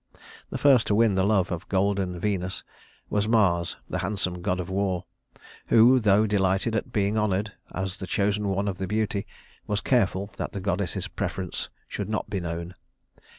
The first to win the love of "golden" Venus was Mars, the handsome god of war, who, though delighted at being honored as the chosen one of beauty, was careful that the goddess's preference should not be known.